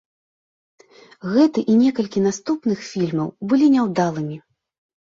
Гэты і некалькі наступных фільмаў былі няўдалымі.